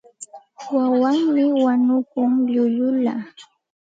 Wawanmi wañukun llullulla.